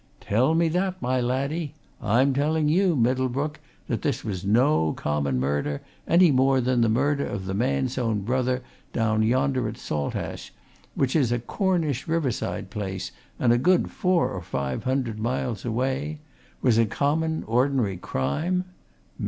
"Tell me that, my laddie! I'm telling you, Middlebrook, that this was no common murder any more than the murder of the man's own brother down yonder at Saltash, which is a Cornish riverside place, and a good four or five hundred miles away, was a common, ordinary crime!